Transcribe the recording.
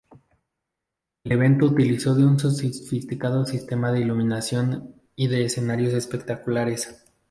El evento utilizó de un sofisticado sistema de iluminación y de escenarios espectaculares.